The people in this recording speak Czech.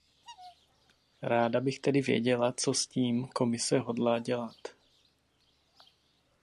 Ráda bych tedy věděla, co s tím Komise hodlá dělat.